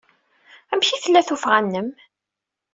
Amek ay d-tella tuffɣa-nnem?